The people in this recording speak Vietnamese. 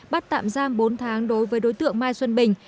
bắt tạm giam bốn tháng đối với đối tượng mai xuân bình